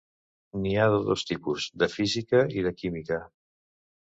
N'hi ha de dos tipus: de física i de química.